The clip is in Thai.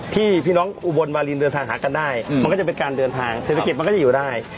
พี่น้องอุบลวาลินเดินทางหากันได้มันก็จะเป็นการเดินทางเศรษฐกิจมันก็จะอยู่ได้